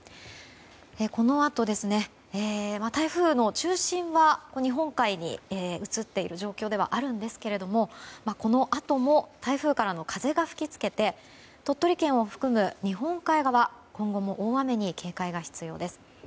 このあと、台風の中心は日本海に移っていく状況ですがこのあとも台風からの風が吹きつけて鳥取県を含む日本海側で今後も大雨に警戒が必要です。